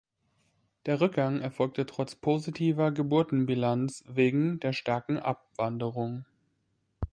Der Rückgang erfolgte trotz positiver Geburtenbilanz wegen der starken Abwanderung.